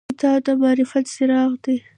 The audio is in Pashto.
کتاب د معرفت څراغ دی.